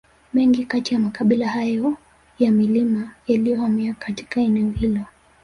Mengi kati ya makabila hayo ya milimani yalihamia katika eneo hilo